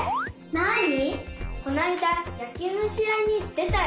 なに？